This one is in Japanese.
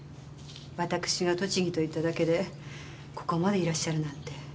わたくしが栃木と言っただけでここまでいらっしゃるなんて。